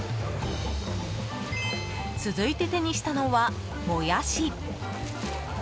続いて手にしたのはモヤシ。